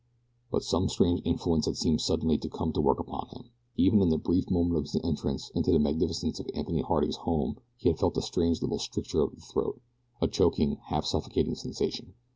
But some strange influence had seemed suddenly to come to work upon him. Even in the brief moment of his entrance into the magnificence of Anthony Harding's home he had felt a strange little stricture of the throat a choking, half suffocating sensation.